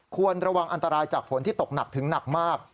ควรระวังอันตรายจากฝนที่ตกหนักถึงหนักมาก